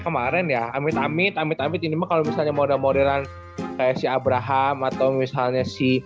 kemarin ya amit amit amit amit ini mah kalau misalnya mode modern kayak si abraham atau misalnya si